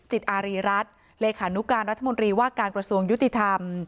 จิตอาริรัชฯเดพอศวรีว่าการกระทรวงยุติธรรม